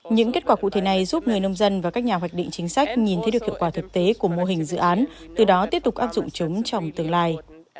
những kết quả cụ thể này giúp người nông dân và các nhà hoạch định chính sách nhìn thấy được hiệu quả thực tế của mô hình dự án từ đó tiếp tục áp dụng chúng trong tương lai